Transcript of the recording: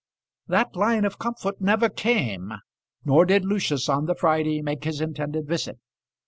That line of comfort never came, nor did Lucius on the Friday make his intended visit.